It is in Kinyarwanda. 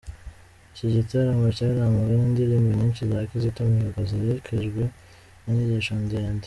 Iki gitaramo cyaranzwe n’indirimbo nyinshi za Kizito Mihigo, ziherekejwe n’inyigisho ndende.